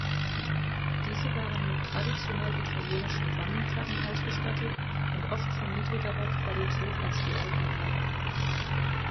Diese waren mit traditionell-italienischen Wangenklappen ausgestattet und oft von niedrigerer Qualität als die Originale.